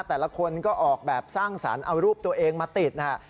แต่ละคนก็ออกแบบสร้างสรรค์เอารูปตัวเองมาติดนะฮะ